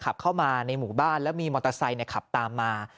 ขับเข้ามาในหมู่บ้านแล้วมีมอเตอร์ไซค์ขับตามมา